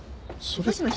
そうですか。